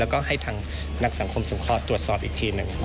แล้วก็ให้ทางนักสังคมสงเคราะห์ตรวจสอบอีกทีหนึ่ง